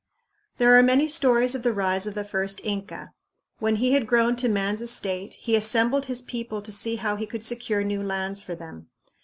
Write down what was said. There are many stories of the rise of the first Inca. When he had grown to man's estate, he assembled his people to see how he could secure new lands for them.